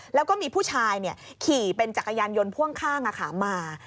แล้วก็มีผู้ชายขี่เป็นจักรยานยนต์พ่วงข้างมา